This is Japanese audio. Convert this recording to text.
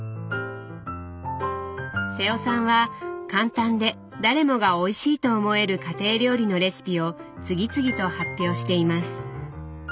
瀬尾さんは簡単で誰もがおいしいと思える家庭料理のレシピを次々と発表しています。